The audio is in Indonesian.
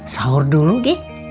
sahur dulu g